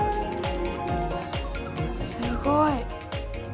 すごい！